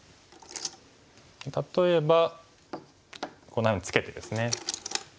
例えばこんなふうにツケてですね。